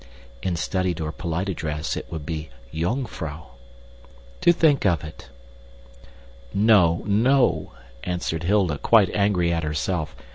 In studied or polite address it would be jongvrowe (pronounced youngfrow).} to think of it." "No, no," answered Hilda, quite angry at herself.